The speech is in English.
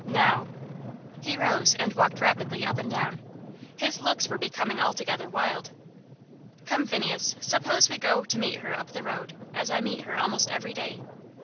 Now " He rose, and walked rapidly up and down. His looks were becoming altogether wild. "Come, Phineas, suppose we go to meet her up the road as I meet her almost every day.